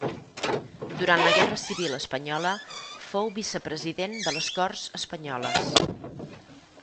Durant la guerra civil espanyola fou vicepresident de les Corts Espanyoles.